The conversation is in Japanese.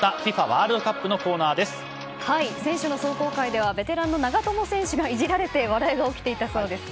ワールドカップの選手の壮行会ではベテランの長友選手がイジられて笑いが起きていたそうです。